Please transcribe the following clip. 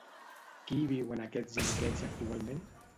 Qui hi viu en aquests indrets actualment?